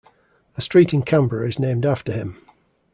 A street in Canberra is named after him.